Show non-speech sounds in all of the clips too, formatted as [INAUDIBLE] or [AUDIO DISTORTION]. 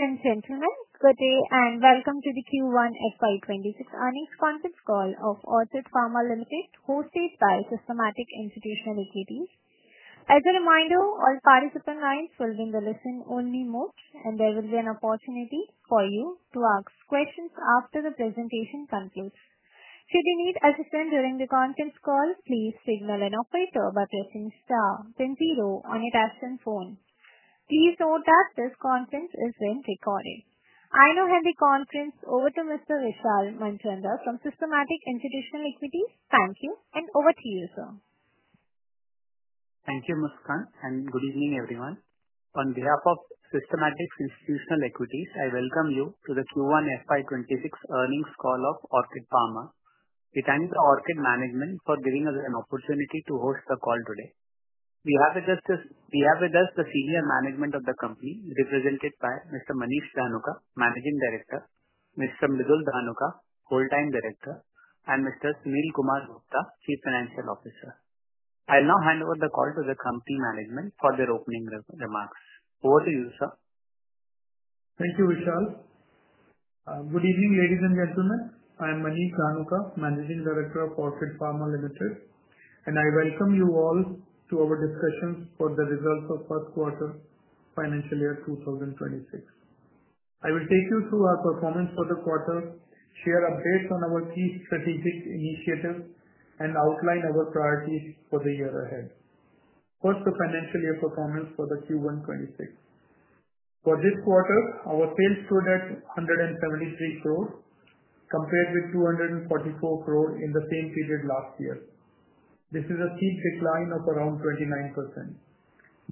Thank you. Good day and Welcome to the Q1 FY 2026 Earnings Conference Call of Orchid Pharma Limited, hosted by Systematix Institutional Equities. As a reminder, all participants are in the listen-only mode, and there will be an opportunity for you to ask questions after the presentation concludes. Should you need assistance during the conference call, please signal an operator by pressing star then zero on your touchscreen phone. Please note that this conference is being recorded. I now hand the conference over to Mr. Vishal Manchanda from Systematix Institutional Equities. Thank you, and over to you, sir. Thank you, Muskan, and good evening, everyone. On behalf of Systematix Institutional Equities, I welcome you to the Q1 FY 2026 Earnings Call of Orchid Pharma. We thank Orchid Management for giving us an opportunity to host the call today. We have with us the senior management of the company, represented by Mr. Manish Dhanuka, Managing Director, Mr. Mridul Dhanuka, Whole-time Director, and Mr. Sunil Kumar Gupta, Chief Financial Officer. I now hand over the call to the company management for their opening remarks. Over to you, sir. Thank you, Vishal. Good evening, ladies and gentlemen. I am Manish Dhanuka, Managing Director of Orchid Pharma Limited, and I welcome you all to our discussion on the results of the first quarter of the financial year 2026. I will take you through our performance for the quarter, share updates on our key strategic initiatives, and outline our priorities for the year ahead. First, the financial year performance for Q1 2026. For this quarter, our sales stood at 173 crore, compared with 244 crore in the same period last year. This is a huge decline of around 29%.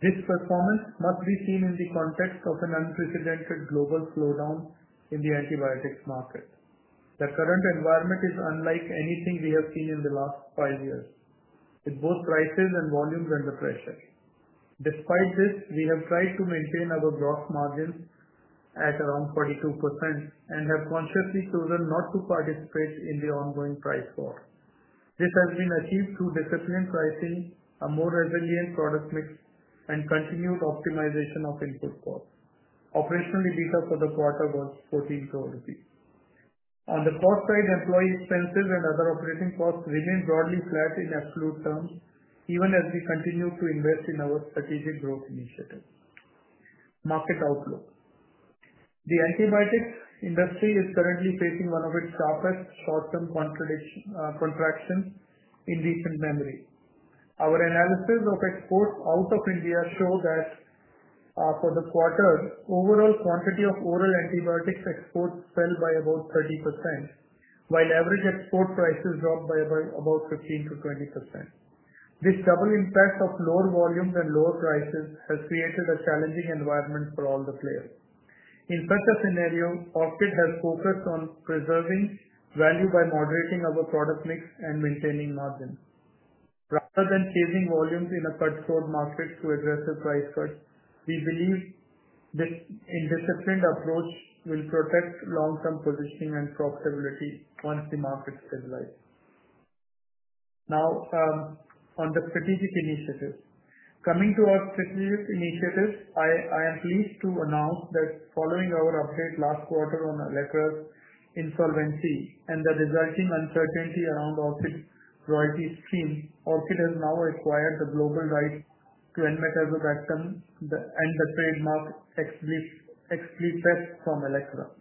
This performance must be seen in the context of an unprecedented global slowdown in the antibiotics market. The current environment is unlike anything we have seen in the last five years, with both prices and volume under pressure. Despite this, we have tried to maintain our gross margins at around 42% and have consciously chosen not to participate in the ongoing price war. This has been achieved through disciplined pricing, a more resilient product mix, and continued optimization of input costs. Operational EBITDA for the quarter was 14 crore rupees. On the corporate employee expenses and other operating costs, they remain broadly flat in absolute terms, even as we continue to invest in our strategic growth initiatives. Market outlook. The antibiotics industry is currently facing one of its sharpest short-term contractions in recent memory. Our analysis of exports out of India showed that for the quarter, overall quantity of oral antibiotics exports fell by about 30%, while average export prices dropped by about 15%-20%. This double impact of lower volumes and lower prices has created a challenging environment for all the players. In such a scenario, Orchid has focused on preserving value by moderating our product mix and maintaining margins. Rather than chasing volumes in a crowded market through aggressive price cuts, we believe that a disciplined approach will protect long-term positioning and profitability once the markets stabilize. Now, on the strategic initiatives. Coming to our strategic initiatives, I am pleased to announce that following our update last quarter on Allecra's insolvency and the resulting uncertainty around Orchid's royalty scheme, Orchid has now acquired the global right to Enmetazobactam and the trademark Exblifep from Allecra.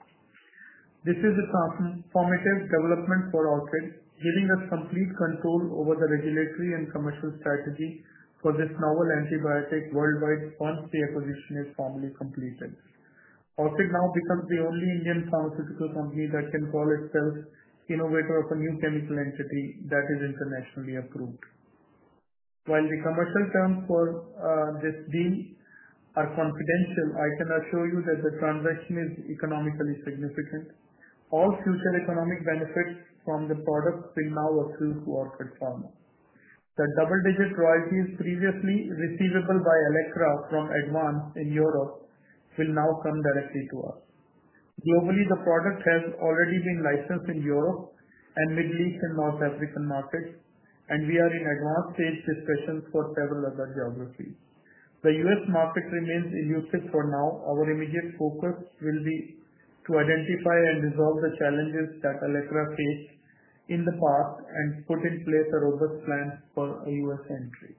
This is a transformative development for Orchid, giving us complete control over the regulatory and commercial strategy for this novel antibiotic worldwide once the acquisition is formally completed. Orchid now becomes the only Indian pharmaceutical company that can call itself the innovator of a new chemical entity that is internationally approved. While the commercial terms for this deal are confidential, I can assure you that the transaction is economically significant. All future economic benefits from the product will now accrue to Orchid Pharma. The double-digit royalties previously receivable by Allecra from ADVANZ in Europe will now come directly to us. Globally, the product has already been licensed in Europe, the Middle East, and North Africa markets, and we are in advanced sales discussions for several other geographies. The U.S. market remains elusive for now. Our immediate focus will be to identify and resolve the challenges that Allecra faced in the past and put in place a robust plan for a U.S. entry.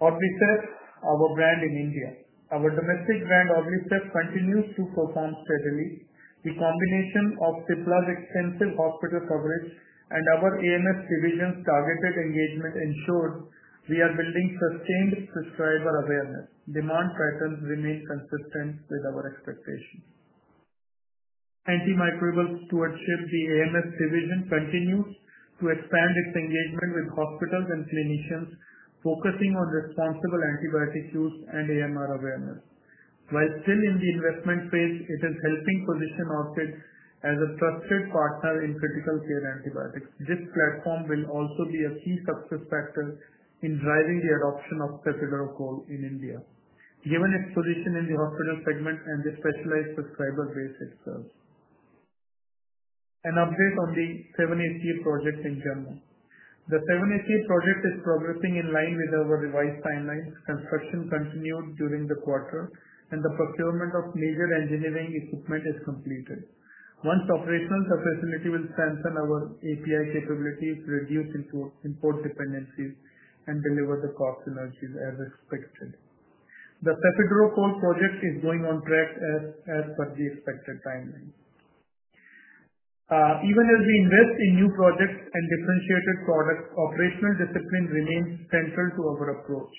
Orblicef, our brand in India. Our domestic brand Orblicef continues to perform steadily. The combination of Ciplas' extensive hospital coverage and our AMS division's targeted engagement ensures we are building sustained subscriber awareness. Demand patterns remain consistent with our expectations. Antimicrobial stewardship, the AMS division, continues to expand its engagement with hospitals and clinicians, focusing on responsible antibiotic use and AMR awareness. While still in the investment phase, it is helping position Orchid as a trusted partner in critical care antibiotics. This platform will also be a key success factor in driving the adoption of Cefiderocol in India, given its position in the hospital segment and the specialized subscriber base it serves. An update on the 7ACA project in Jammu. The 7ACA project is progressing in line with our revised timelines. Construction continued during the quarter, and the procurement of major engineering equipment is completed. Once operational, the facility will strengthen our API capabilities, reduce import dependencies, and deliver the cost synergy as expected. The Cefiderocol project is going on track as per the expected timeline. Even as we invest in new projects and differentiated products, operational discipline remains central to our approach.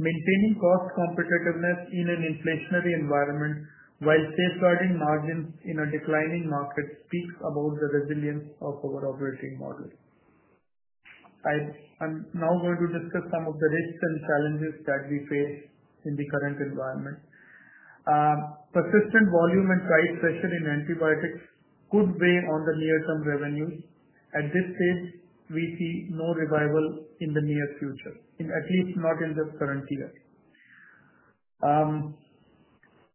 Maintaining cost competitiveness in an inflationary environment while safeguarding margins in a declining market speaks about the resilience of our operating model. I'm now going to discuss some of the risks and challenges that we face in the current environment. Persistent volume and price pressure in antibiotics could weigh on the near-term revenues. At this stage, we see no revival in the near future, at least not in the current year.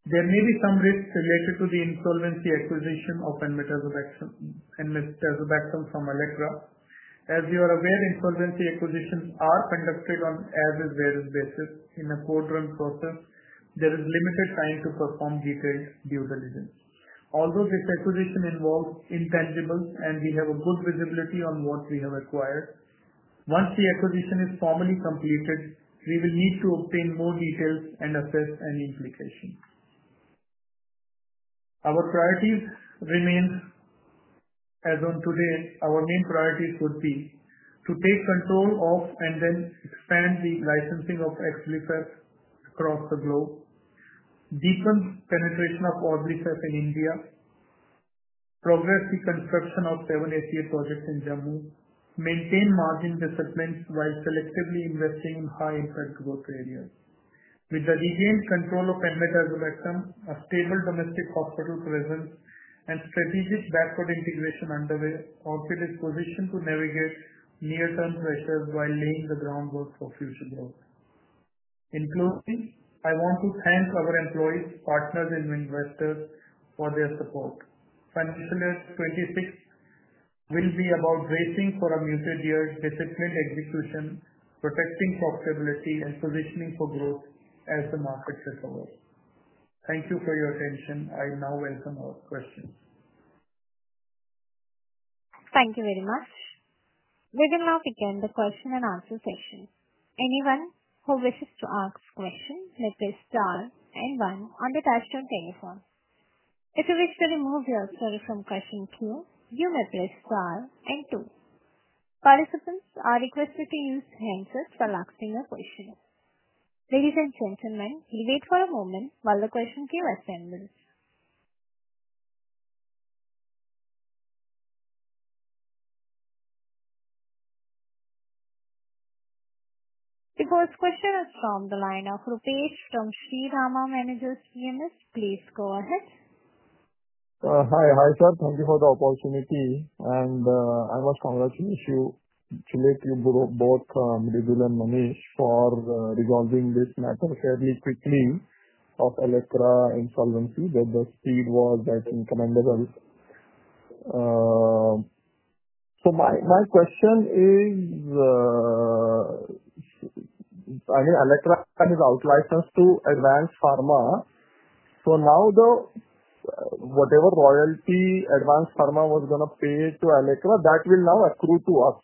There may be some risks related to the insolvency acquisition of Enmetazobactam from Allecra. As you are aware, insolvency acquisitions are conducted on an as-is-where-is basis in a quadrant quarter. There is limited time to perform detailed due diligence. Although this acquisition involves intangibles and we have good visibility on what we have acquired, once the acquisition is formally completed, we will need to obtain more details and assess any implications. Our priorities remain, as on today, our main priorities would be to take control of and then expand the licensing of Exblifep across the globe, deepen penetration of Exblifep in India, progress the construction of the 7ACA project in Jammu, maintain margin discipline while selectively investing in high-impact growth areas. With the deviant control of Enmetazobactam, a stable domestic hospital presence, and strategic backward integration underway, Orchid is positioned to navigate near-term pressures while laying the groundwork for future growth. In closing, I want to thank our employees, partners, and investors for their support. Financial statistics will be about bracing for a multi-year disciplined execution, protecting profitability, and positioning for growth as the markets evolve. Thank you for your attention. I now welcome all questions. Thank you very much. We will now begin the question-and-answer session. Anyone who wishes to ask questions may press star and one on the touchstone telephone. If you wish to remove yourself from question queue, you may press star and two. Participants are requested to use handsets for lasting questioning. Ladies and gentlemen, we wait for a moment while the question queue assembles. The first question is from the line of Rupesh from Shree Rama Managers PMS. Please go ahead. Hi sir. Thank you for the opportunity. I must congratulate you, both Mridul and Manish, for resolving this matter fairly quickly of Allecra insolvency where the speed was uncontrollable. My question is, I mean, Allecra is out-licensed to ADVANZ PHARMA. Now, whatever royalty ADVANZ PHARMA was going to pay to Allecra, that will now accrue to us.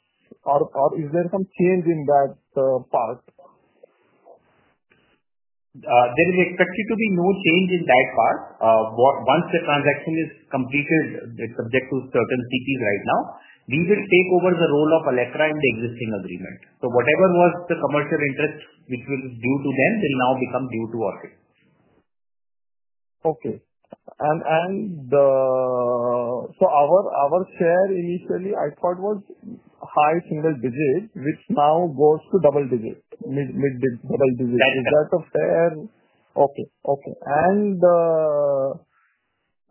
Is there some change in that part? There is effectively no change in that part. Once the transaction is completed, it's subject to certain CPs right now. We will take over the role of Allecra in the existing agreement. Whatever was the commercial interest which was due to them will now become due to Orchid. Okay. Our share initially, I thought, was high single digit, which now goes to double digit, mid-double digit. Is that fair? Okay. Okay.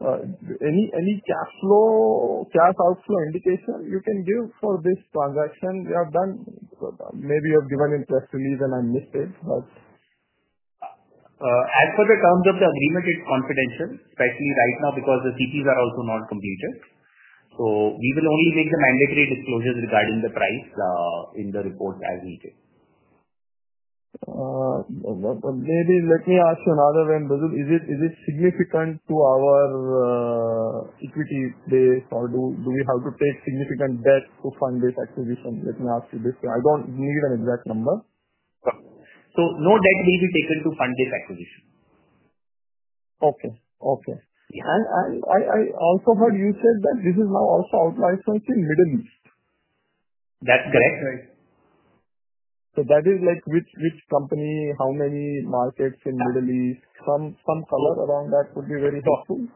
Any cash outflow indication you can give for this transaction? You have done, maybe you have given in press release and I missed it. As per the terms of the agreement, it's confidential, especially right now because the CPs are also non-competent. We will only make the mandatory disclosure regarding the price in the report as needed. Maybe let me ask you another way. Is it significant to our equity base? Do we have to take significant debt to fund this acquisition? Let me ask you this way. I don't need an exact number. No debt will be taken to fund this acquisition. Okay. I also heard you said that this is now also out-licensed in the Middle East. That's correct. Right. That is like which company, how many markets in the Middle East? Some color around that would be very helpful.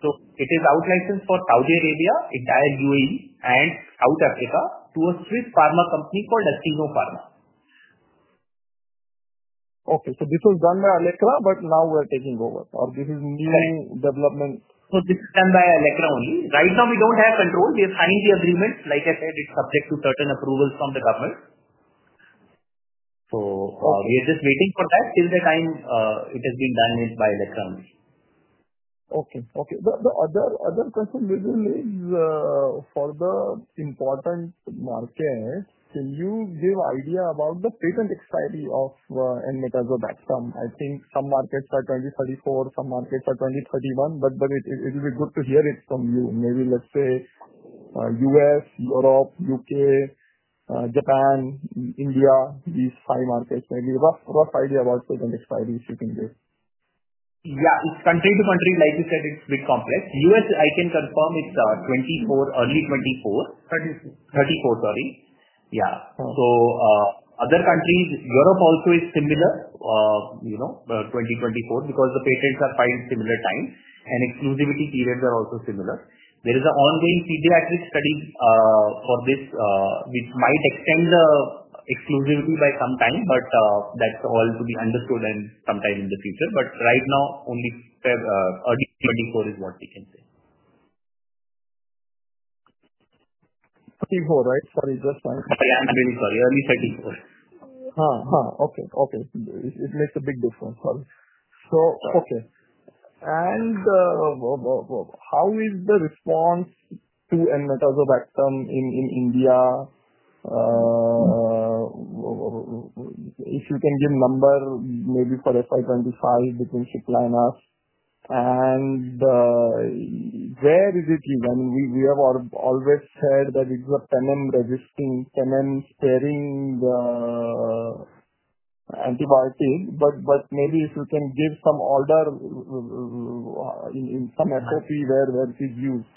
It is out-licensed for Saudi Arabia, entire UAE, and South Africa to a Swiss pharma company called Acino Pharma. Okay. This was done by Allecra, but now we're taking over, or this is a new development. This is done by Allecra only. Right now, we don't have control. We have signed the agreements. Like I said, it's subject to certain approvals from the government. We are just waiting for that. Till the time, it has been done by Allecra only. Okay. The other question usually is for the important markets. Can you give an idea about the frequent expiry of Enmetazobactam? I think some markets are 2034, some markets are 2031, but it would be good to hear it from you. Maybe let's say, US, Europe, UK, Japan, India, these five markets. Maybe rough idea about the expiry shipping date. Yeah, country to country, like you said, it's a bit complex. U.S., I can confirm it's 2024, early 2024. 2034. 34, sorry. Yeah. Other countries, Europe also is similar, you know, 2024 because the pay trades are fine at similar times, and exclusivity periods are also similar. There is an ongoing feedback with study for this, which might extend the exclusivity by some time, but that's all to be understood and sometime in the future. Right now, only, early 2024 is what we can say. 2034, right, for investment? I am really sorry. Early 2034. Okay. It makes a big difference. Sorry. Okay. How is the response to Enmetazobactam in India? If you can give a number, maybe 45, 25 between shipliners. Where is it? We have always said that it's a Penem-resisting, Penem-sparing antibiotic, but maybe if you can give some order in some SOP where it is used.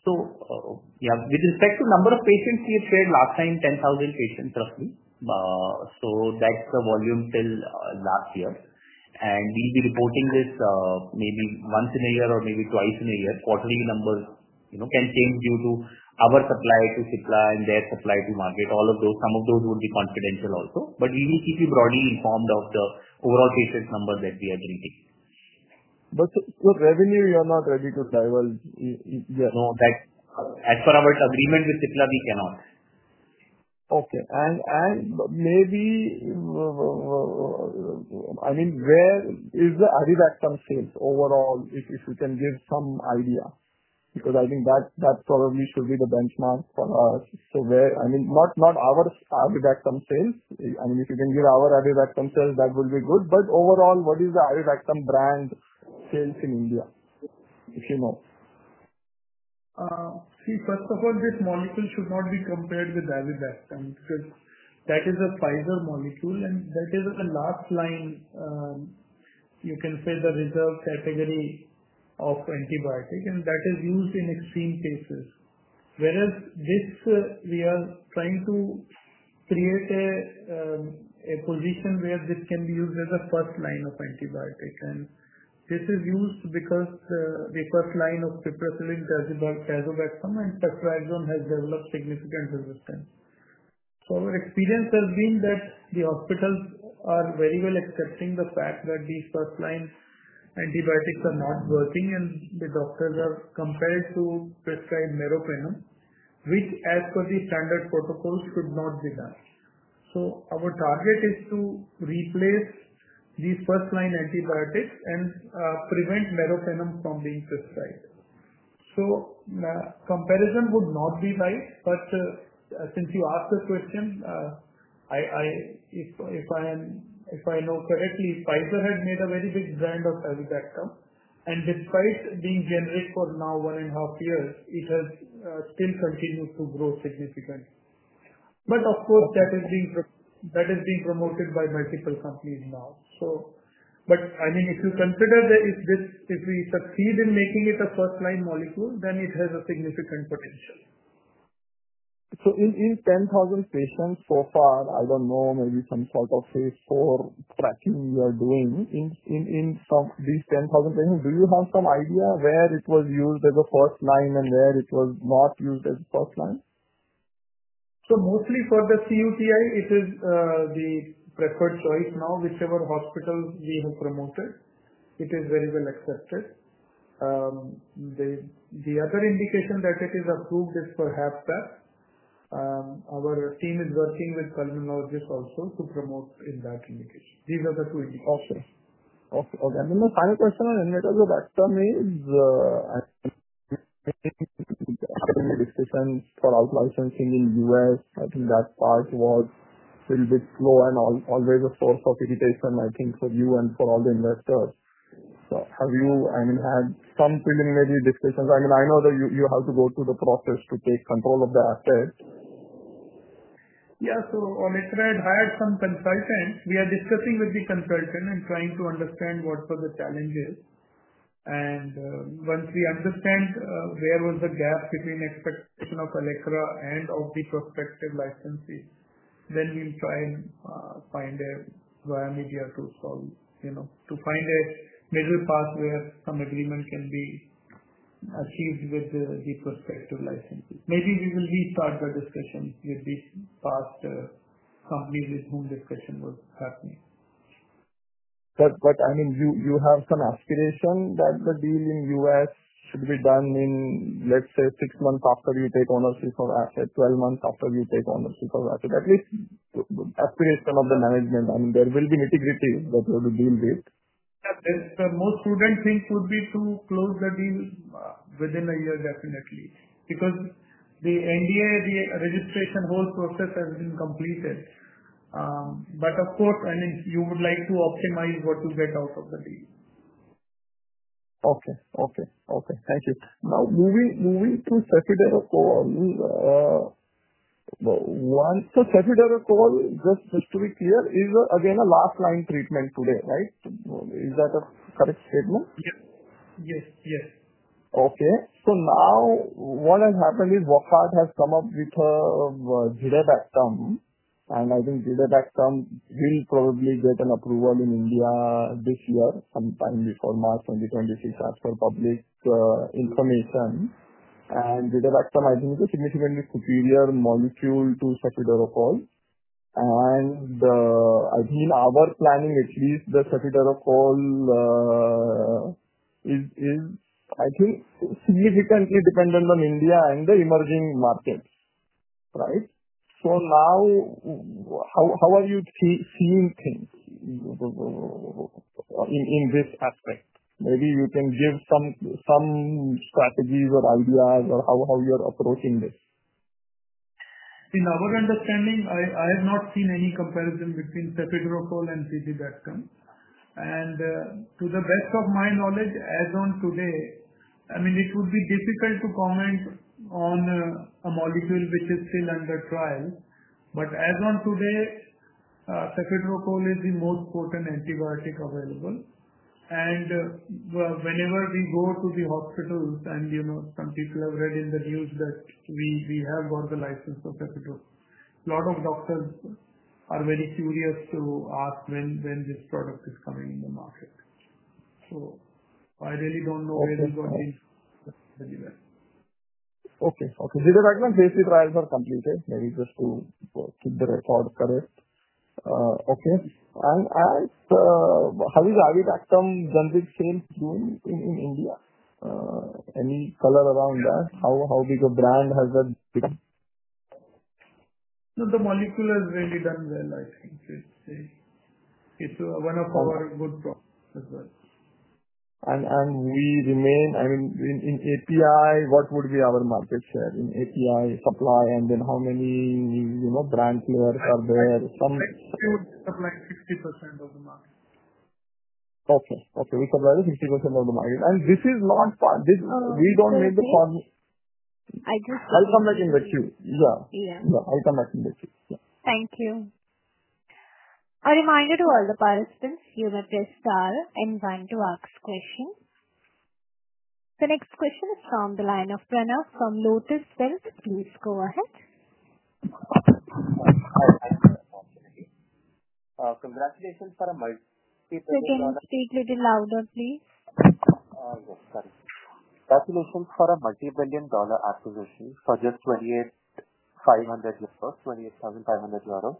With respect to the number of patients, you said last time, 10,000 patients, roughly. That's the volume till last year. We'll be reporting this maybe once in a year or maybe twice in a year. Quarterly numbers can change due to our supply to Cipla and their supply to market. Some of those will be confidential also. We will keep you broadly informed of the overall basis number that we are reading. With revenue, you're not ready to divulge. As per our agreement with Cipla, we cannot. Okay. Where is the Avibactam sales overall, if you can give some idea? I think that probably should be the benchmark for us. Where, I mean, not our Avibactam sales. If you can give our Avibactam sales, that would be good. Overall, what is the Avibactam brand sales in India, if you know? See, first of all, this molecule should not be compared with Avibactam because that is a Pfizer molecule, and that is a large line, you can say, the reserve category of antibiotic, and that is used in extreme cases. Whereas this, we are trying to create a position where this can be used as a first line of antibiotic. This is used because the first line of piperacillin, tazobactam, and ceftriaxome has developed significant resistance. Our experience has been that the hospitals are very well accepting the fact that these first-line antibiotics are not working, and the doctors are compelled to prescribe meropenem, which, as per the standard protocols, should not be done. Our target is to replace these first-line antibiotics and prevent meropenem from being prescribed. The comparison would not be nice, but since you asked the question, if I know correctly, Pfizer had made a very big brand of Avibactam. Despite being generic for now one and a half years, it has still continued to grow significantly. Of course, that has been promoted by multiple companies now. If you consider that if we succeed in making it a first-line molecule, then it has a significant potential. In 10,000 patients so far, maybe some sort of phase four tracking you are doing. In some of these 10,000 patients, do you have some idea where it was used as a first line and where it was not used as a first line? For the cUTI, it is the preferred choice now. Whichever hospitals we have promoted, it is very well accepted. The other indication that it is approved is for HFpEF. Our team is working with pulmonologists also to promote in that indication. These are the two indications. Okay. Okay. The final question on Enmetazobactam is, I think, discussions for out-licensing in the U.S. I think that part was a little bit slow and always a source of irritation, I think, for you and for all the investors. Have you had some preliminary discussions? I know that you have to go through the process to take control of the asset. Yeah. Allecra had hired some consultants. We are discussing with the consultant and trying to understand what are the challenges. Once we understand where was the gap between expectation of Allecra and of the prospective licensee, we'll try and find a via media route, to find a middle path where some agreement can be achieved with the prospective licensee. Maybe we will restart the discussion with these past companies with whom discussion was happening. You have some aspiration that the deal in the US should be done in, let's say, six months after you take ownership of that, 12 months after you take ownership of that. At least the aspiration of the management, there will be integrity in whatever the deal is. The most prudent thing would be to close the deal within a year, definitely, because the NDA, the registration, the whole process has been completed. Of course, you would like to optimize what you get out of the deal. Thank you. Now, moving to Cefiderocol, once the Cefiderocol, just to be clear, is again a last-line treatment today, right? Is that a correct statement? Yes. Yes. Yes. Okay. What has happened is Wockhardt has come up with Zidebactam, and I think Zidebactam will probably get an approval in India this year, sometime before March 2026, as per public information. Zidebactam, I think, is a significantly superior molecule to the Cefiderocol project. I think our planning, at least the Cefiderocol project, is significantly dependent on India and the emerging markets, right? How are you seeing things in this aspect? Maybe you can give some strategies or ideas or how you're approaching this. In our understanding, I have not seen any comparison between Cefiderocol and Zidebactam. To the best of my knowledge, as on today, I mean, it would be difficult to comment on a molecule which is still under trial. As on today, Cefiderocol is the most potent antibiotic available. Whenever we go to the hospitals, and you know some people have read in the news that we have got the license for Cefiderocol, a lot of doctors are very curious to ask when this product is coming in the market. I really don't know where we got this. Okay. Zidebactam's Phase III trials are completed. Maybe just to keep the record correct. Okay. Has Avibactam done the same thing in India? Any color around that? How big a brand has it been? The molecule has really done well, I'd say. It's one of our good products as well. We remain, I mean, in API, what would be our market share in API supply? How many brand players are there? We would supply 60% of the market. Okay. We supply the 60% of the market, and this is not for this we don't make the form. I just. I'll come back and let you know. Yeah. I'll come back and let you. Thank you. A reminder to all the participants, you may press star and one to ask questions. The next question is from the line of Pranav from Lotus Wealth. Please go ahead. Congratulations for a multi-billion dollar. Speak, speak a little louder, please. Oh, sorry. Congratulations for a multi-billion dollar acquisition for just 28,500 euros.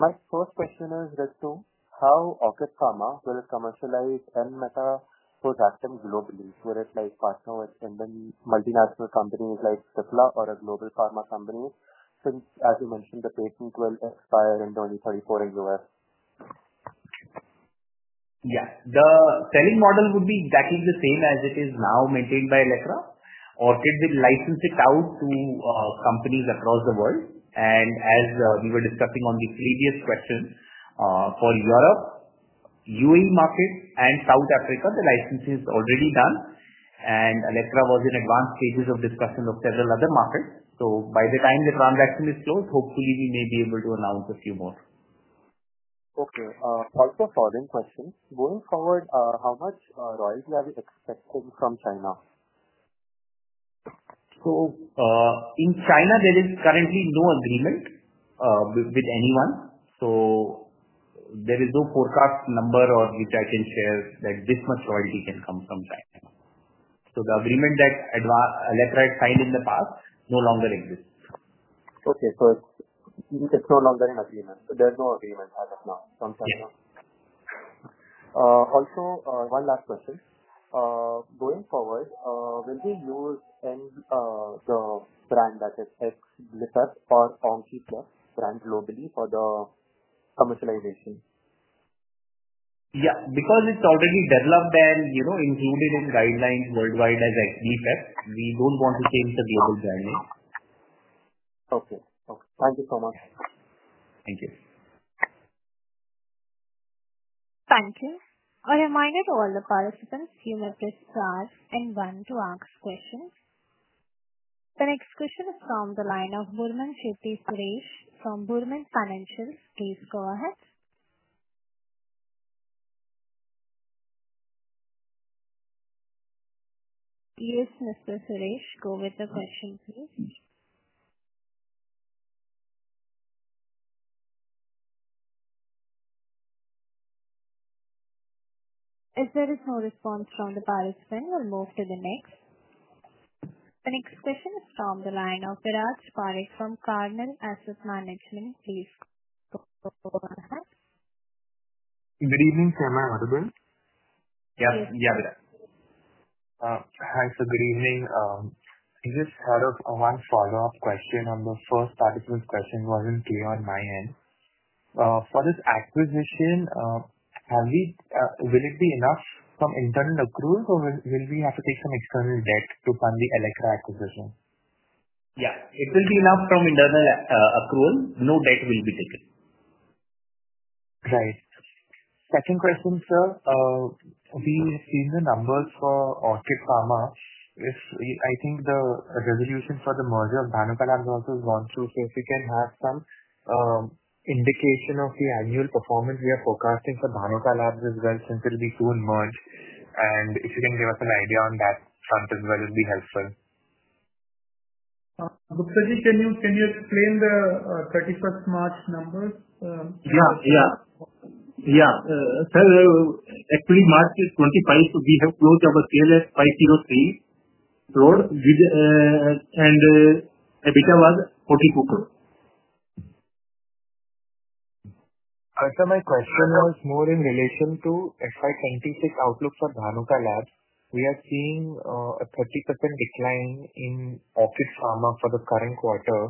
My first question is, as to how Orchid Pharma will commercialize Enmetazobactam globally, whereas like Parsons and then multinational companies like Cipla or a global pharma company, since, as you mentioned, the patent will expire in 2034 in the U.S.? Yeah. The selling model would be exactly the same as it is now maintained by Allecra. Orchid will license it out to companies across the world. As we were discussing on the previous question, for Europe, the EU market, and South Africa, the license is already done. Allecra was in advanced stages of discussion of several other markets. By the time the transaction is closed, hopefully, we may be able to announce a few more. Okay. Quite a foreign question. Going forward, how much royalty are we expecting from China? In China, there is currently no agreement with anyone. There is no forecast number or which I can share that this much royalty can come from China. The agreement that Allecra signed in the past no longer exists. Okay. It's no longer in agreement. There's no agreement as of now. No. Also, one last question. Going forward, will we use the brand that is Exblifep or Orblicef brand globally for the commercialization? Yeah. Because it's already developed and you know included in guidelines worldwide as Exblifep, we don't want to change the global brand name. Okay. Okay. Thank you so much. Thank you. Thank you. A reminder to all the participants, you may press star and one to ask questions. The next question is from the line of [Burman Sethy Suresh] from Burman Financials. Please go ahead. Yes, Mr. Suresh, go with the question, please. If there is no response from the participant, we'll move to the next. The next question is from the line of Viraj Parekh from Carnelian Asset Management. Please go ahead. Good evening. Can I overrule? [AUDIO DISTORTION] Thanks for the evening. I just had one follow-up question on the first participant's question. Wasn't clear on my end. For this acquisition, will it be enough from internal accruals, or will we have to take some external debts to fund the Allecra acquisition? Yeah, it will be enough from internal accrual. No debt will be taken. Right. Second question, sir. We've seen the for Orchid Pharma. I think the resolution for the merger of Dhanuka Labs also is going through, so if you can have some indication of the annual performance we are forecasting for Dhanuka Labs as well since it will be two in March. If you can give us an idea on that front as well, it would be helpful. Gupta, can you explain the 31st March numbers? Yeah. Sir, actually, March 2025, so we have closed our sale at 503 crore, and EBITDA was 44 crore. Sir, my question was more in relation to FY 2026 outlook for Dhanuka Labs. We are seeing a 30% decline in Orchid Pharma for the current quarter.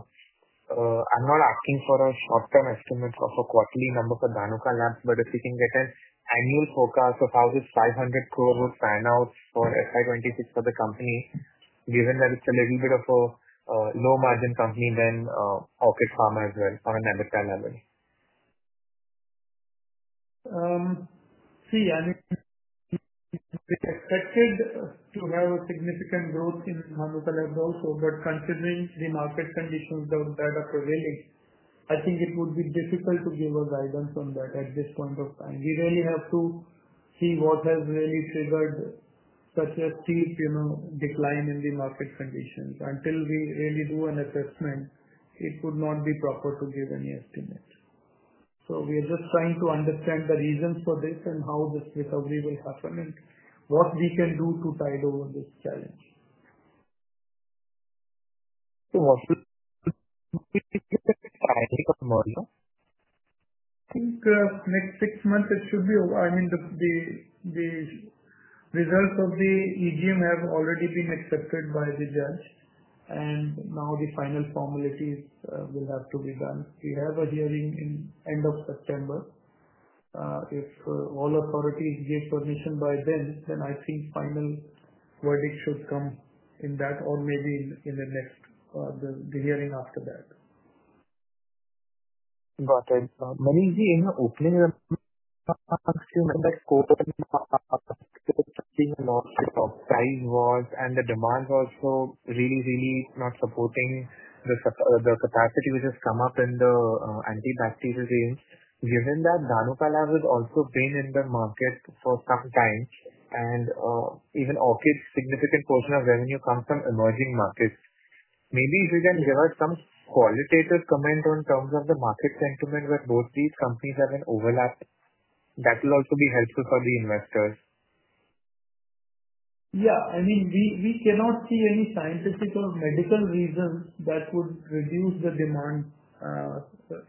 I'm not asking for a short-term estimate of a quarterly number for Dhanuka Labs, but if you can get an annual forecast of how this 500 crore would pan out for FY 2026 for the company, given that it's a little bit of a low-margin company than Orchid Pharma as well on an EBITDA level. See, I mean, we expected to have a significant growth in Dhanuka Labs also, but considering the market conditions that are prevailing, I think it would be difficult to give a guidance on that at this point of time. We really have to see what has really triggered such a huge decline in the market conditions. Until we really do an assessment, it would not be proper to give any estimates. We are just trying to understand the reasons for this and how this recovery will happen and what we can do to tide over this challenge. I think next six months, it should be over. I mean, the results of the EGM have already been accepted by the judge, and now the final formalities will have to be done. We have a hearing in the end of September. If all authorities give permission by then, I think final verdict should come in that or maybe in the next hearing after that. Manish, in your opinion, I'm not sure the scope of the time was and the demand was really, really not supporting the capacity which has come up in the antibacterial agents, given that Dhanuka Labs has also been in the market for some time. Even Orchid's significant portion of revenue comes from emerging markets. Maybe if you can give us some qualitative comment on terms of the market sentiment where both these companies have been overlapped, that will also be helpful for the investors. Yeah. I mean, we cannot see any scientific or medical reasons that would reduce the demand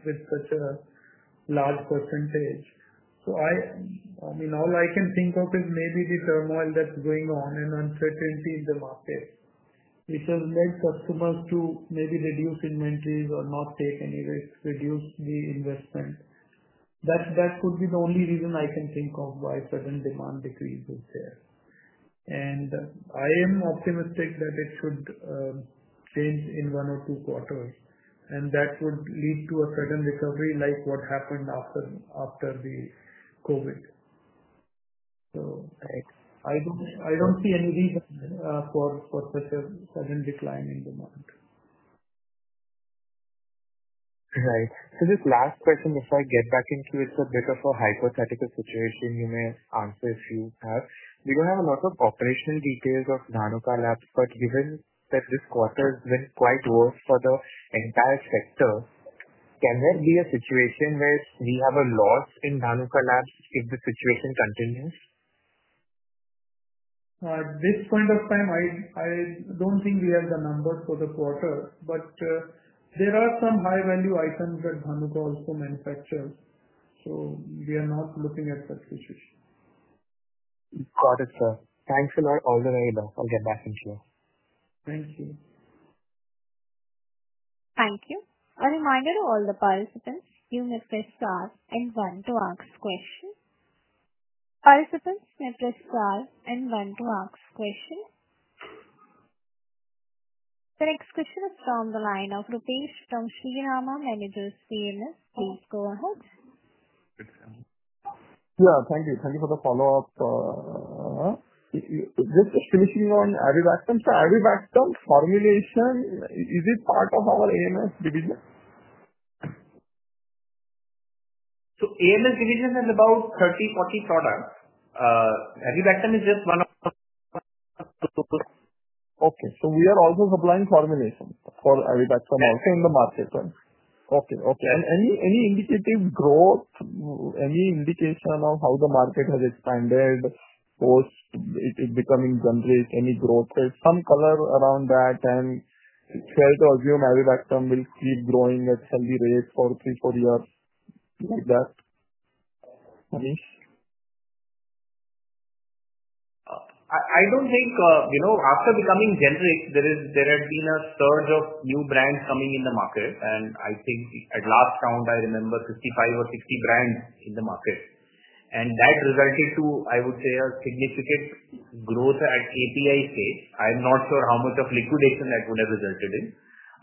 with such a large percentage. I mean, all I can think of is maybe the turmoil that's going on and uncertainty in the market. We surrendered customers to maybe reduce inventories or not take any risks, reduce the investment. That could be the only reason I can think of why certain demand decreases there. I am optimistic that it should change in one or two quarters, and that would lead to a sudden recovery like what happened after the COVID. I don't see any reason for such a sudden decline in the market. Right. Just last question before I get back into it. For a hypothetical situation, you may answer if you have. We don't have a lot of operational details of Dhanuka Labs, but given that this quarter has been quite worse for the entire sector, can there be a situation where we have a loss in Dhanuka Labs if the situation continues? At this point of time, I don't think we have the numbers for the quarter, but there are some high-value items that Dhanuka also manufactures. We are not looking at such issues. Got it, sir. Thanks a lot. All the way through. I'll get back in a few. Thank you. Thank you. A reminder to all the participants, you may press star and one to ask questions. Participants, you may press star and one to ask questions. The next question is from the line of Rupesh from Shree Rama Managers PMS. Please go ahead. Thank you. Thank you for the follow-up. Just finishing on Avibactam. Avibactam formulation, is it part of our AMS division? The AMS division is about 30, 40 products. Avibactam is just one of them. Okay. We are also supplying formulations for Avibactam also in the market. Okay. Okay. Any indicative growth, any indication of how the market has expanded, or is it becoming done with any growth? There's some color around that, and it's fair to assume Avibactam will keep growing at a steady rate for three, four years. I don't think, you know, after becoming generic, there has been a surge of new brands coming in the market. I think at last count, I remember 55 or 60 brands in the market. That resulted in, I would say, a significant growth at API stage. I'm not sure how much of liquidation that would have resulted in.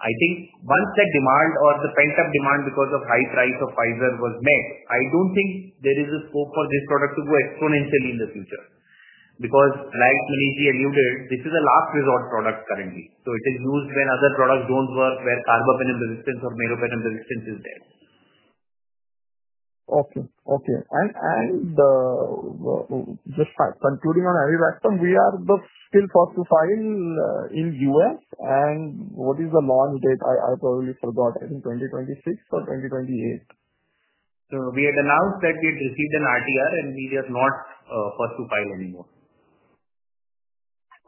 I think once that demand or the pent-up demand because of the high price of Pfizer was met, I don't think there is a scope for this product to go exponentially in the future because, like PDG alluded, this is a last-resort product currently. It is used when other products don't work, where carbapenem resistance or meropenem resistance is dead. Okay. Okay. Just concluding on Avibactam, we are still fourth to five in the US. What is the launch date? I probably forgot. I think for 2026 or 2028. We had announced that we had received an RTR, and we are not fourth to five anymore.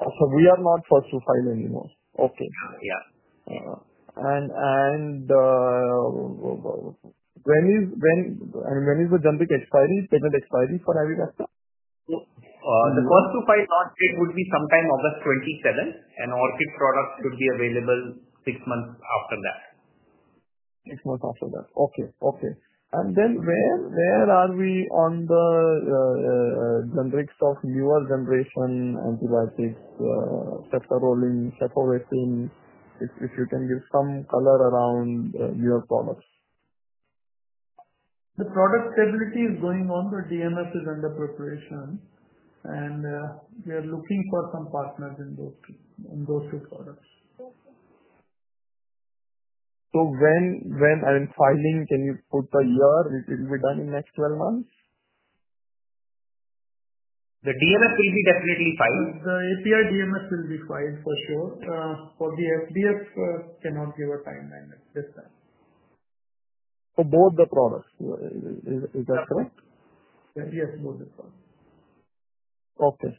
We are not fourth to five anymore. Okay. Yeah. When is the patent expiry statement expiry for Avibactam? The fourth to five launch date would be sometime August 27, and Orchid products would be available six months after that. Six months after that. Okay. Okay. Where are we on the generics of newer generation antibiotics, Ceftaroline, Cefovecin? If you can give some color around your products. The product stability is going on. The DMF is under preparation, and we are looking for some partners in those two products. When and filing, can you put the year? It will be done in the next 12 months? The DMF will be definitely filed. The API DMF will be filed for sure. For the FDF, I cannot give a timeline. For both the products, is that correct? Yes, yes, both the products. Okay.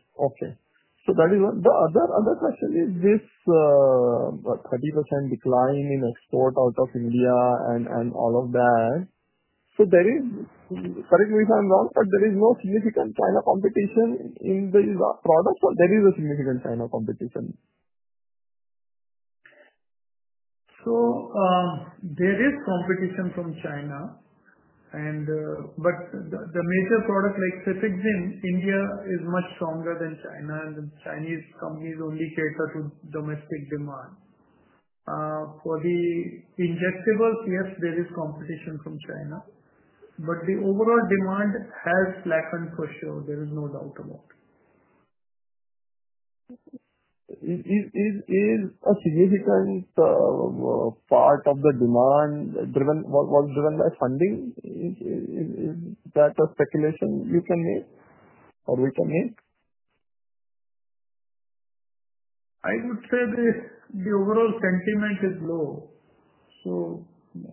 That is the other question. Is this 30% decline in export out of India and all of that. There is, correct me if I'm wrong, but there is no significant China competition in these products, or there is a significant China competition? There is competition from China. The major product like Cefovecin in India is much stronger than China, and the Chinese companies only cater to domestic demand. For the injectables, there is competition from China, but the overall demand has lessened for sure. There is no doubt about it. Is a significant part of the demand driven by funding? Is that a speculation you can make or we can make? I would say the overall sentiment is low.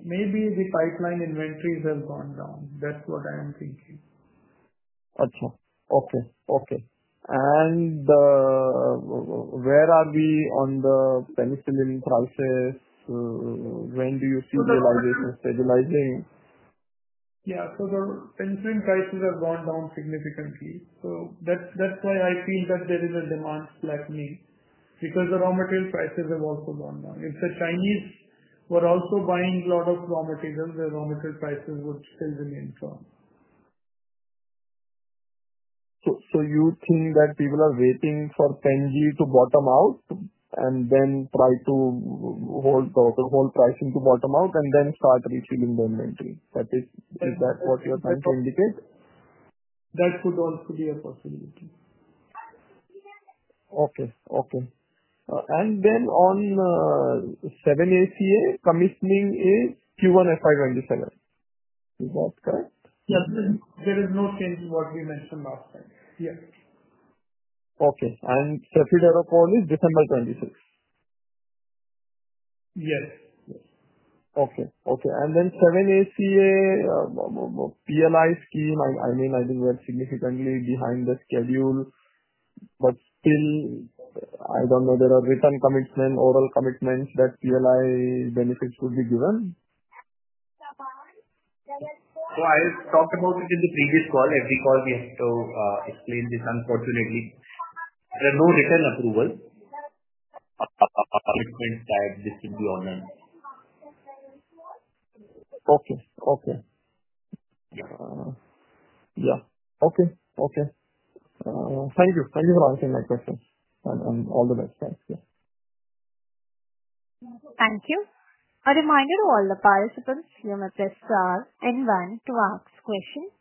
Maybe the pipeline inventories have gone down. That's what I am thinking. Okay. Where are we on the penicillin crisis? When do you see the realization stabilizing? Yeah. The penicillin prices have gone down significantly. That's why I feel that there is a demand flattening because the raw material prices have also gone down. It's the Chinese who are also buying a lot of raw materials, and raw material prices would still remain strong. Do you think that people are waiting for PenG to bottom out and then try to hold the whole pricing to bottom out and then start refilling their inventory? Is that what you're trying to indicate? That could also be a possibility. Okay. Okay. On 7ACA, commissioning is Q1 FY 2027. Is that correct? Yes, there is no change in what we mentioned last time. Yes. Okay. Cefiderocol is December 26. Yes. Okay. Okay. 7ACA, PLI scheme, I mean, I think we're significantly behind the schedule. I don't know. There are written commitments, oral commitments that PLI benefits would be given. I talked about it in the previous call. Every call we have to explain this, unfortunately. There are no written approvals. It means that this should be honored. Okay. Thank you. Thank you for answering my questions. All the best. Thanks. Thank you. A reminder to all the participants, you may press star and one to ask questions.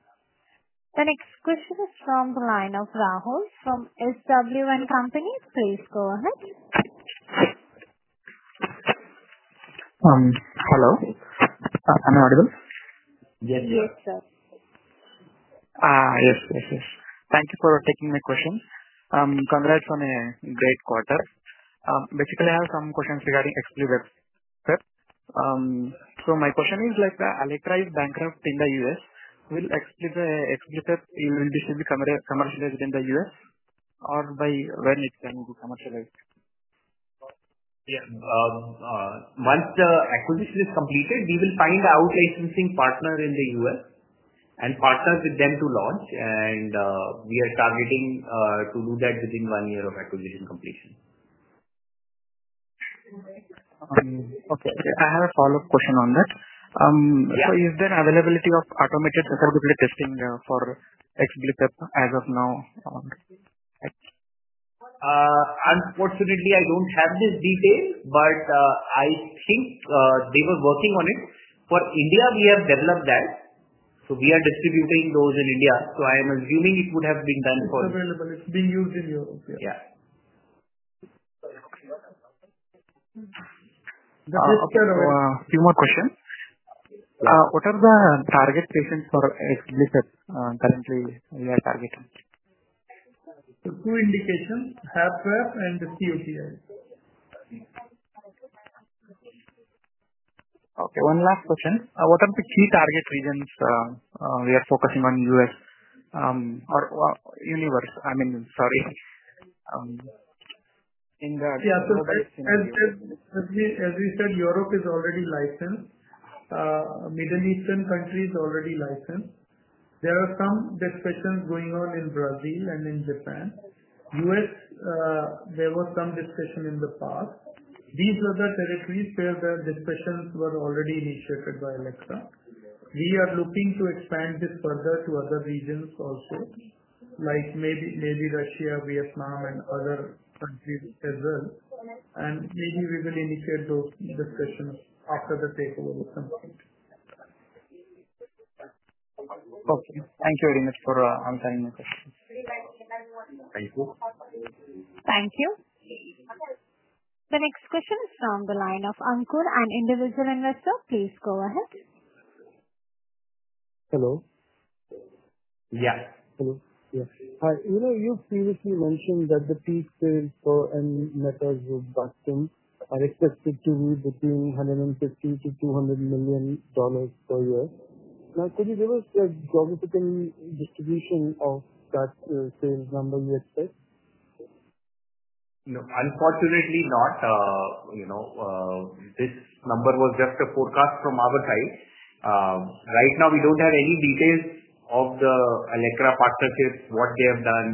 The next question is from the line of Rahul from SW & Company. Please go ahead. Hello. I'm [AUDIO DISTORTION] Yes, yes, sir. Yes, yes, yes. Thank you for taking my question. Congrats on a great quarter. Basically, I have some questions regarding Exblifep. My question is, like the Allecra's bankrupt in the U.S., will Exblifep eventually be commercialized in the U.S., or by when it's going to be commercialized? Once the acquisition is completed, we will find out licensing partners in the US and partner with them to launch. We are targeting to do that within one year of acquisition completion. Okay. I have a follow-up question on that. Is there availability of automated testing for Exblifep as of now? Unfortunately, I don't have this detail, but I think they were working on it. For India, we have developed that, so we are distributing those in India. I am assuming it would have been done for. It's available. It's being used in Europe. Yeah, just a few more questions. What are the target patients for Exblifep currently we are targeting? The two indications: HFpEF and the cUTI. Okay. One last question. What are the key target regions we are focusing on in the U.S. or universe? I mean, sorry. Yeah. As we said, Europe is already licensed. Middle Eastern countries are already licensed. There are some discussions going on in Brazil and in Japan. U.S., there was some discussion in the past. These were the territories where the discussions were already initiated by Allecra. We are looking to expand this further to other regions also, like maybe Russia, Vietnam, and other countries as well. Maybe we will initiate those discussions after the takeover with them. Okay, thank you very much for answering my questions. Thank you. Thank you. The next question is from the line of Ankur, an Individual Investor. Please go ahead. Hello. Yes. Hello. Yes. You know, you previously mentioned that the estimate for Enmetazobactam are expected to be between $150-$200 million per year. Now, can you give us a geographical distribution of that sales number you expect? No, unfortunately not. You know, this number was just a forecast from our side. Right now, we don't have any details of the Allecra partnerships, what they have done,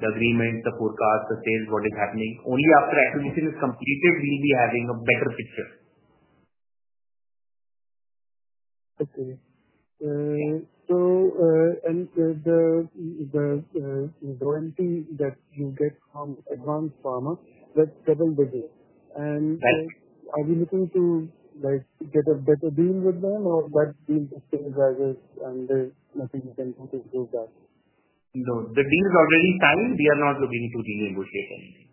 the agreement, the forecast, the sales, what is happening. Only after acquisition is completed, we'll be having a better picture. I see. The royalty that you get from ADVANZ PHARMA, that's INR 7 billion. Are we looking to get a better deal with them or get the interesting drivers and see if we can improve that? No, the deal is already signed. We are not looking to renegotiate anything.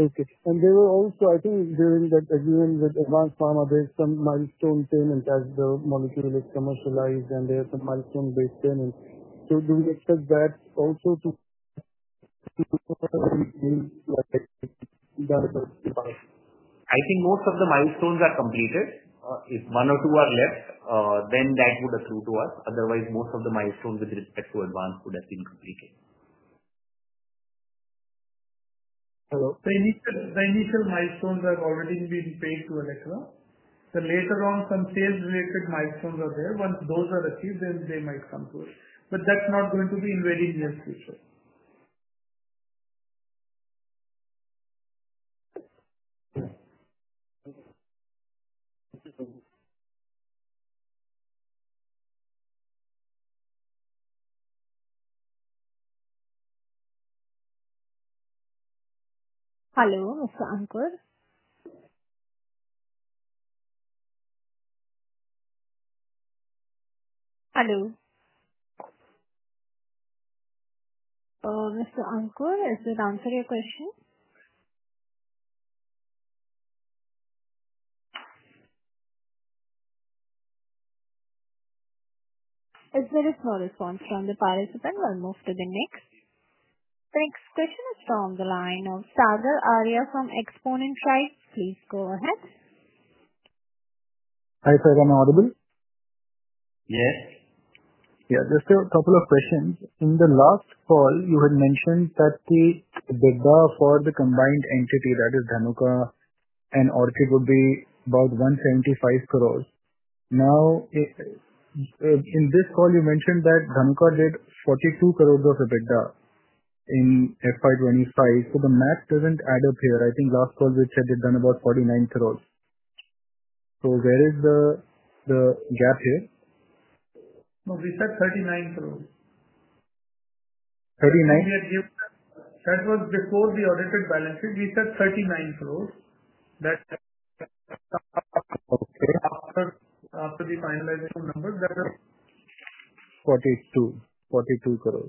Okay. There were also, I think, during that agreement with ADVANZ PHARMA, some milestone payment as the molecule is commercialized, and there are some milestone-based payments. Do we expect that also to be done? I think most of the milestones are completed. If one or two are left, then that would accrue to us. Otherwise, most of the milestones with respect to ADVANZ PHARMA would have been completed. Hello. The initial milestones have already been paid to Allecra. Later on, some sales-related milestones are there. Once those are achieved, they might come to us. That's not going to be in the very near future. Hello, this is Ankur. Hello? Oh, Mr. Ankur, does this answer your question? There's very small response from the participant. We'll move to the next. The next question is from the line of Sagar Arya from Xponent Tribe. Please go ahead. Hi, sir. [AUDIO DISTORTION] Yes. Yeah. Just a couple of questions. In the last call, you had mentioned that the EBITDA for the combined entity, that is Dhanuka and Orchid, would be about 175 crore. Now, in this call, you mentioned that Dhanuka did 42 crore of EBITDA in FY 2025. The math doesn't add up here. I think last call, we said they've done about 49 crore. Where is the gap here? No, we said INR 39 crore. 39? That was before the audited balances. We said 39 crore. Okay. After the finalization numbers, that was. INR 42 crore.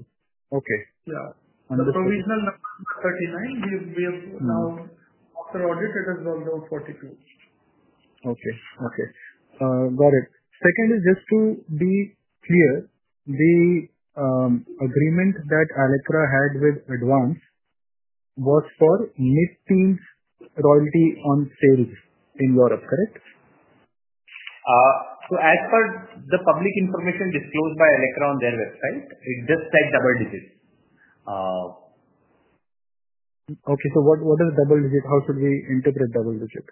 Okay. Yeah, the provisional number is INR 39 crore. We have now, the project has gone down to INR 42. Okay. Okay. Got it. Second is just to be clear, the agreement that Allecra had with ADVANZ PHARMA was for double-digit royalties on sales in Europe, correct? As per the public information disclosed by Allecra on their website, it does take double digits. Okay, what are double digits? How should we interpret double digits?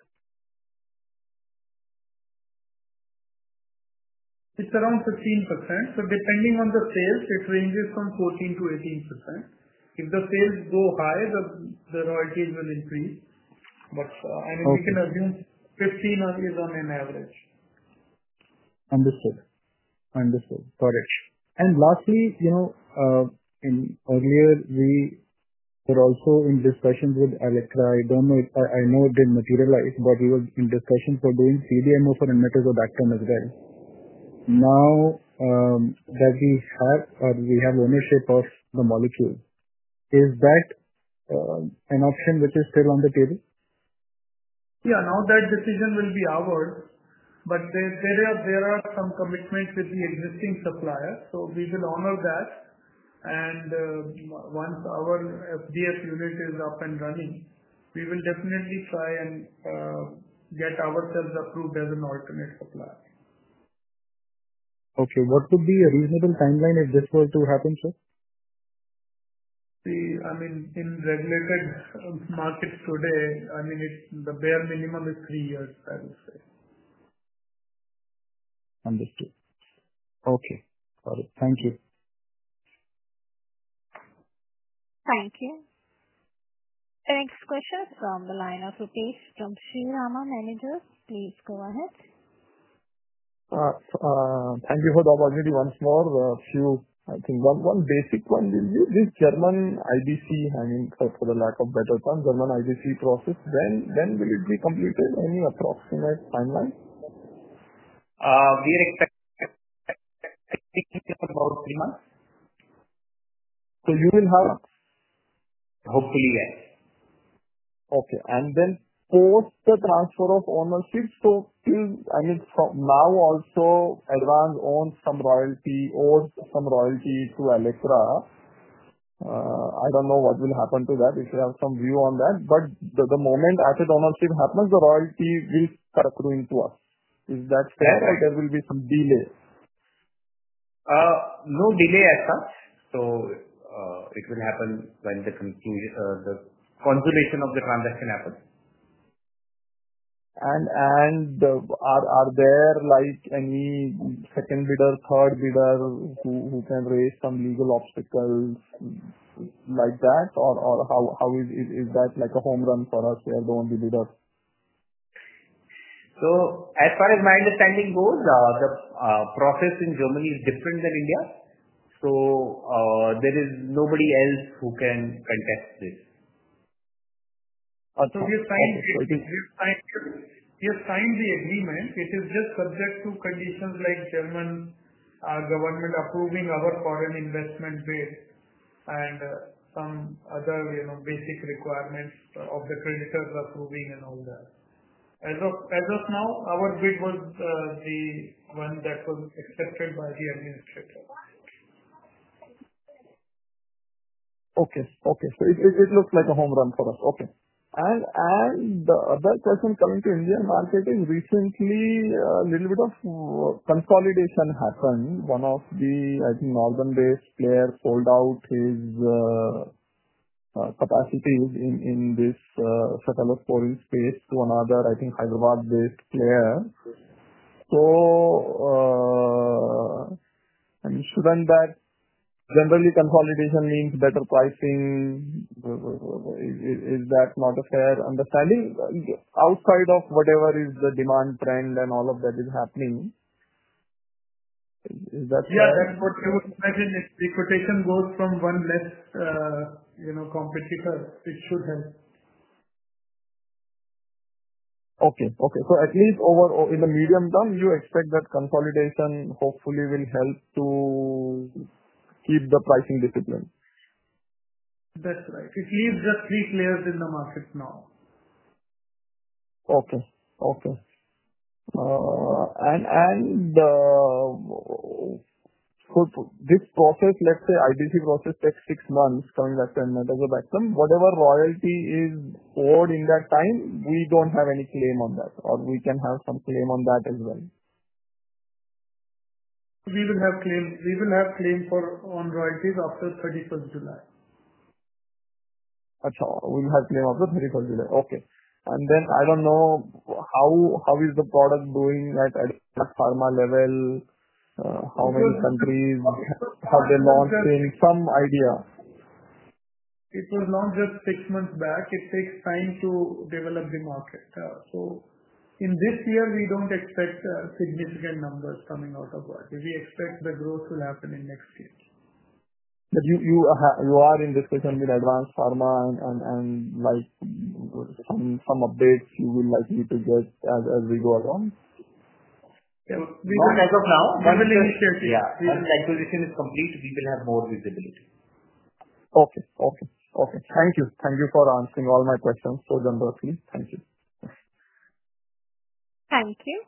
It's around 15%. Depending on the sales, it ranges from 14%-18%. If the sales go higher, the royalties will increase. I mean, we can assume 15% is on an average. Understood. Got it. Lastly, earlier, we were also in discussions with Allecra. I know it didn't materialize, but we were in discussions for doing CDMO for Enmetazobactam as well. Now that we have ownership of the molecule, is that an option which is still on the table? Yeah. That decision will be ours, but there are some commitments with the existing suppliers. We will honor that, and once our FDF unit is up and running, we will definitely try and get ourselves approved as an alternate supplier. Okay. What would be a reasonable timeline if this were to happen, sir? In regulated markets today, the bare minimum is three years, I would say. Understood. Okay, got it. Thank you. Thank you. The next question is from the line of Rupesh from Shree Rama Managers. Please go ahead. Thank you for the opportunity once more. I think one basic one. Is this German IBC, I mean, for the lack of a better term, German IBC process, when will it be completed? Any approximate timeline? We expect it to take about three months. You will have? Hopefully, yes. Okay. After the transfer of ownership, if, I mean, from now also, ADVANZ PHARMA owns some royalty or some royalty to Allecra, I don't know what will happen to that. We should have some view on that. The moment added ownership happens, the royalty will start accruing to us. Is that fair? There will be some delay? No delay as such. It will happen when the consolidation of the transaction happens. Are there any second bidder or third bidder who can raise some legal obstacles like that? How is that like a home run for us? We are the only bidder. As far as my understanding goes, the process in Germany is different than India. There is nobody else who can contest this. We have signed the agreement, which is just subject to conditions like the German government approving our foreign investment bid and some other basic requirements of the creditors approving and all that. As of now, our bid was the one that was accepted by the administrator. Okay. It looks like a home run for us. The other question coming to Indian market is recently, a little bit of consolidation happened. One of the, I think, Northern-based players sold out his capacities in this sort of foreign space to another, I think, Hyderabad-based player. I'm sure that generally, consolidation means better pricing. Is that not a fair understanding outside of whatever is the demand trend and all of that is happening? Is that? Yeah, that's what you would imagine. If the quotation goes from one less, you know, competitor, it should help. Okay. At least over in the medium term, you expect that consolidation hopefully will help to keep the pricing discipline. That's right. We have just three players in the market now. Okay. Okay. This process, let's say IBC process, takes six months. Turning back to Enmetazobactam, whatever royalty is awarded in that time, we don't have any claim on that, or we can have some claim on that as well. We will have claim for royalties after July 31. That's all. We will have claim after July 31. Okay. I don't know how the product is doing at Allecra level. How many companies have they launched in, some idea? It was launched just six months back. It takes time to develop the market. In this year, we don't expect significant numbers coming out of work. We expect the growth to happen in next year. You are in discussion with ADVANZ PHARMA, and like some updates you will likely get as we go along. Yeah, as of now, we will. Yeah, when the acquisition is complete, we will have more visibility. Okay. Thank you for answering all my questions for the number of these. Thank you. Thank you.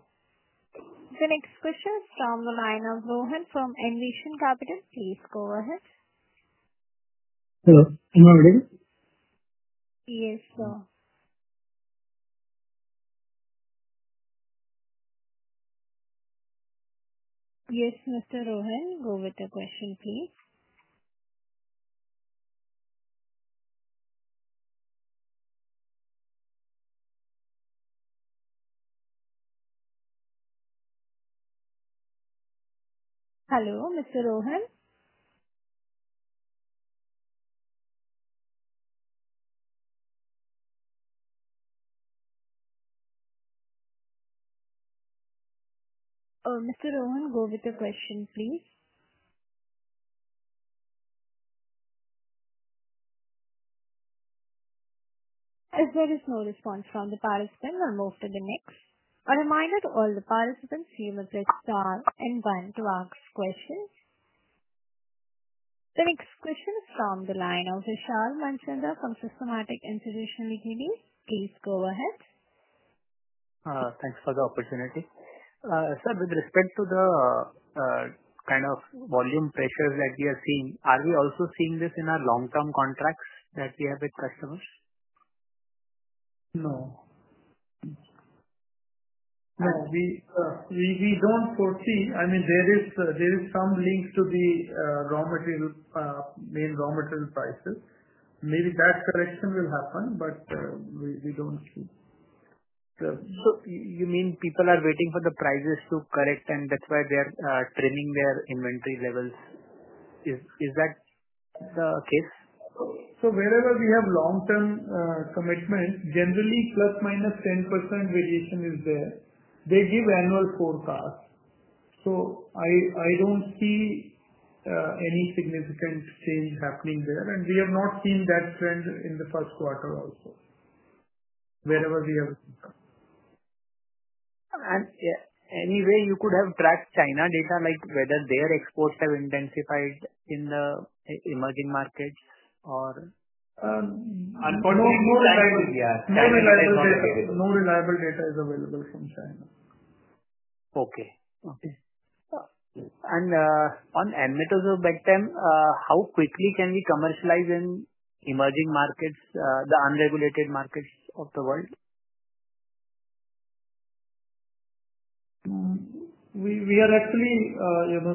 The next question is from the line of Rohan from Envision Capital. Please go ahead. Hello. Yes, sir. Yes, Mr. Rohan, go with the question, please. Hello, Mr. Rohan? Mr. Rohan, go with the question, please. As there is no response from the participant, we'll move to the next. A reminder to all the participants, you may press star and one to ask questions. The next question is from the line of Vishal Manchanda from Systematix Institutional Equities. Please go ahead. Thanks for the opportunity. Sir, with respect to the kind of volume pressures that we are seeing, are we also seeing this in our long-term contracts that we have with customers? No, we don't foresee. I mean, there is some link to the main raw material prices. Maybe that correction will happen, but we don't see. You mean people are waiting for the prices to correct, and that's why they are trimming their inventory levels. Is that the case? Wherever we have long-term commitments, generally, plus minus 10% variation is there. They give annual forecasts. I don't see any significant change happening there, and we have not seen that trend in the first quarter also, wherever we have income. Could you have tracked China data, like whether their exports have intensified in the emerging markets? Unfortunately, no reliable data is available from China. Okay. Okay. On Enmetazobactam, how quickly can we commercialize in emerging markets, the unregulated markets of the world? We are actually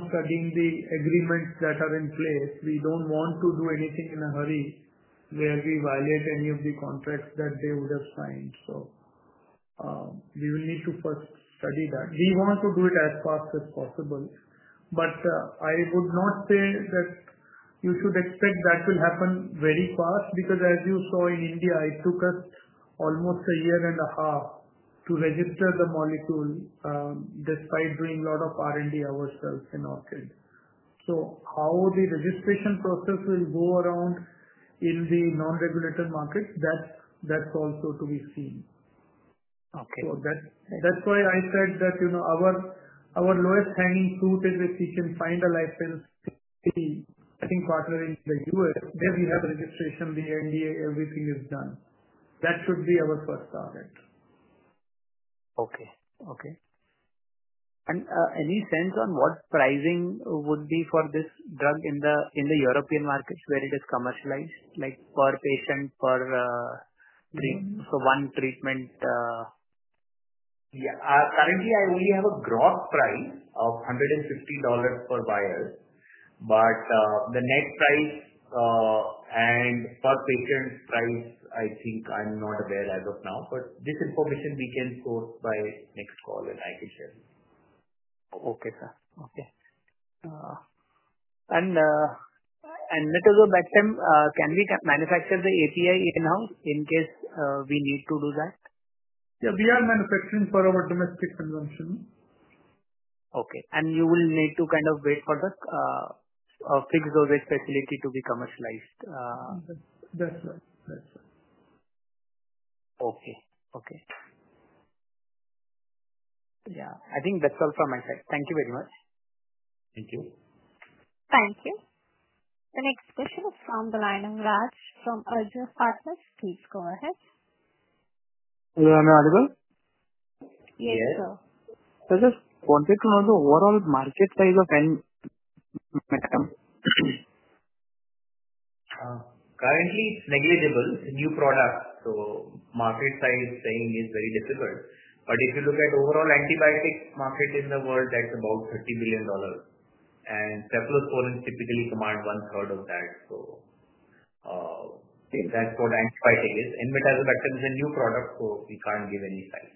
studying the agreements that are in place. We don't want to do anything in a hurry where we violate any of the contracts that they would have signed. We will need to first study that. We want to do it as fast as possible. I would not say that you should expect that will happen very fast because, as you saw, in India, it took us almost a year and a half to register the molecule, despite doing a lot of R&D ourselves in Orchid. How the registration process will go around in the non-regulated markets, that's also to be seen. That's why I said that our lowest hanging fruit is if we can find a license in partner in the U.S. Then we have registration, the NDA, everything is done. That should be our first target. Okay. Okay. Any sense on what pricing would be for this drug in the European markets where it is commercialized? Like per patient, per one treatment? Yeah. Currently, I only have a gross price of $150 per vial. The net price and per patient price, I think I'm not aware as of now. This information we can show by next call, and I can share it. Okay. Okay. And Enmetazobactam, can we manufacture the API in-house in case we need to do that? Yeah, we are manufacturing for our domestic consumption. Okay, you will need to kind of wait for the fixed dosage facility to be commercialized. That's right. That's right. Okay. Okay. Yeah, I think that's all for my side. Thank you very much. Thank you. Thank you. The next question is from the line of [Raaj] from Arjav Partners. Please go ahead. Yeah, I'm l audible? Yes, sir. I just wanted to know the overall market size of Enmetazobactam. Currently, it's negligible. It's a new product. Market size saying is very difficult. If you look at the overall antibiotics market in the world, that's about $30 billion. Cefiderocol and Steranx typically command 1/3 of that. That's what antibiotic is. Enmetazobactam is a new product, so we can't give any size.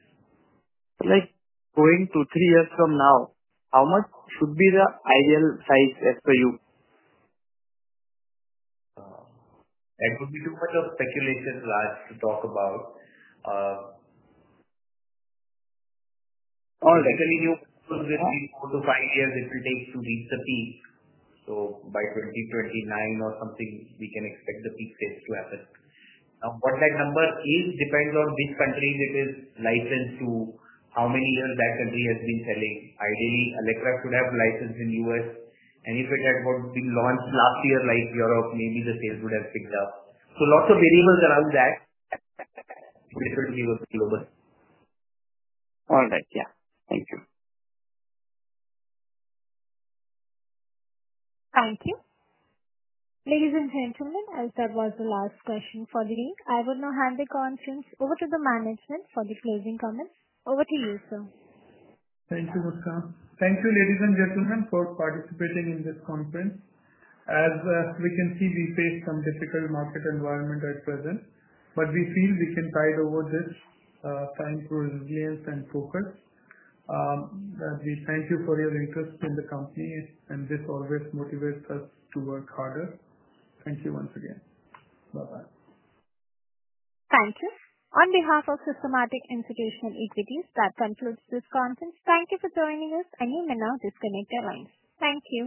Like going to three years from now, how much should be the ideal size as per you? Would you do quite a speculation, [Raaj] to talk about? Let's say we know that in four to five years, if it takes to reach the peak. By 2029 or something, we can expect the peak phase to have it. What that number is depends on which country it is licensed to, how many years that country has been selling. Ideally, Allecra could have licensed in the U.S. If it had been launched last year like Europe, maybe the sales would have picked up. Lots of variables around that. Differently was global. All right. Yeah. Thank you. Ladies and gentlemen, as that was the last session for the week, I would now hand the conference over to the management for the closing comments. Over to you, sir. Thank you, Muskan. Thank you, ladies and gentlemen, for participating in this conference. As we can see, we face some difficult market environment at present, but we feel we can tide over this time through resilience and focus. We thank you for your interest in the company, and this always motivates us to work harder. Thank you once again. Bye-bye. Thank you. On behalf of Systematix Institutional Equities, that concludes this conference. Thank you for joining us, and you may now disconnect your lines. Thank you.